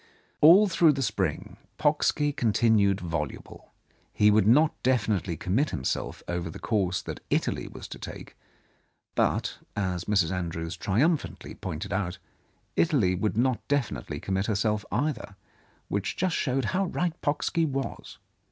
All through the spring Pocksky continued voluble. He would not definitely commit himself over the course that Italy was to take, but, as Mrs. Andrews triumphantly pointed out, Italy would not definitely commit herself either, which just showed how right Pocksky was.